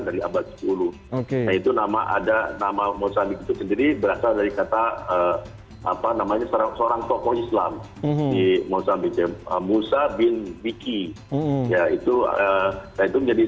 jadi berasa dari kata apa namanya nona haie mozambikiesz musabin by yaitu catur menjadi